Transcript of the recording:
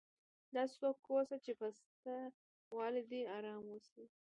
داسي څوک واوسه، چي په سته والي دي ارامي راسي.